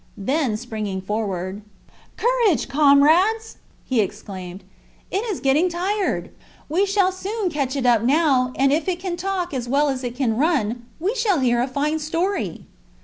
Then, springing forward,— "Courage, comrades!" he exclaimed; "it is getting tired! We shall soon catch it up now, and if it can talk as well as it can run we shall hear a fine story."